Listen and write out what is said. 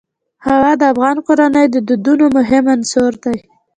هوا د افغان کورنیو د دودونو مهم عنصر دی.